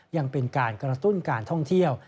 ยังเป็นการกระตุ้นการท่องเที่ยว